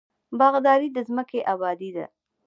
باغداري د ځمکې ابادي ده.